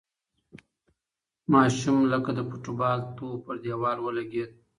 ماشوم لکه د فوټبال توپ پر دېوال ولگېد.